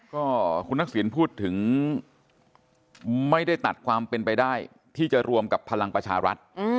ก็คุณทักษิณพูดถึงไม่ได้ตัดความเป็นไปได้ที่จะรวมกับพลังประชารัฐ